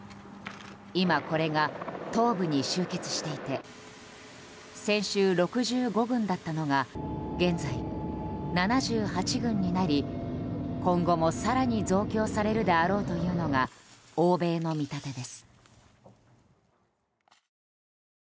今、これが東部に集結していて先週６５群だったのが現在、７８群になり今後も更に増強されるであろうというのが欧米の見立てです。